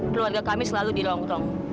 keluarga kami selalu dirongrong